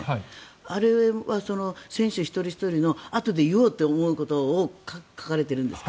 あれは選手一人ひとりのあとで言おうと思うことを書かれているんですか？